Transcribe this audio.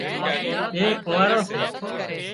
ٻي ڪونئاران سي